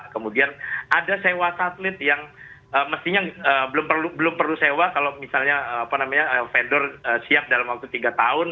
kemudian ada sewa satelit yang mestinya belum perlu sewa kalau misalnya vendor siap dalam waktu tiga tahun